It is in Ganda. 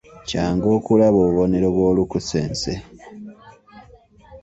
Kyangu okulaba obubonero bw'olukusense.